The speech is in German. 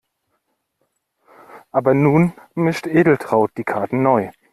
Aber nun mischt Edeltraud die Karten neu.